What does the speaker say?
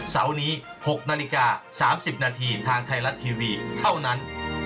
เสาร์นี้๖นาฬิกา๓๐นาทีทางไทยรัฐทีวีเท่านั้น